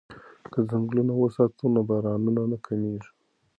که ځنګلونه وساتو نو بارانونه نه کمیږي.